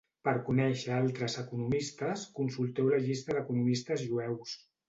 Per conèixer altres economistes, consulteu la llista d'economistes jueus.